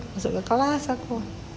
masuk ke kelas aku